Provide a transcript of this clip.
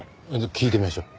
聞いてみましょう。